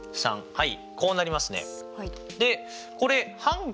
はい。